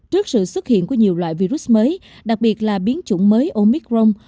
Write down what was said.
trước sự xuất hiện của nhiều loại virus mới đặc biệt là biến chủng mới omicron